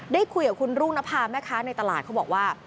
ได้คุยกับคุณรุ่งนภาแม่ค้าในตลาดเขาบอกว่า